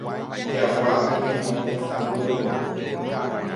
Jagua oñeno mesaguýpe.